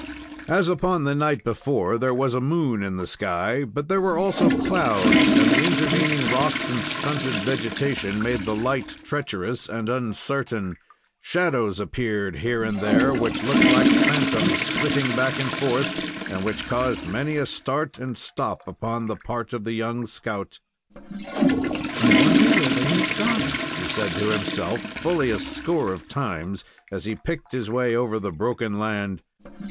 As upon the night before, there was a moon in the sky, but there were also clouds, and the intervening rocks and stunted vegetation made the light treacherous and uncertain. Shadows appeared here and there, which looked like phantoms flitting back and forth, and which caused many a start and stop upon the part of the young scout. "I wonder where they have gone?" he said to himself fully a score of times, as he picked his way over the broken land.